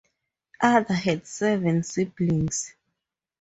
Ada had seven siblings.